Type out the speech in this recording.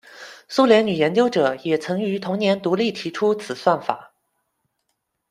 苏联女研究者也曾于同年独立提出此算法。